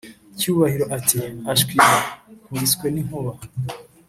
cyubahiro ati"ashwida nkubiswe ninkuba"